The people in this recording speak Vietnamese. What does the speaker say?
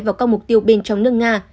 và các mục tiêu bên trong nước nga